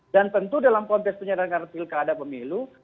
dan tentu dalam konteks penyelenggaraan pilkada pemilu